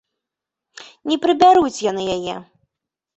Не прыбяруць яны яе!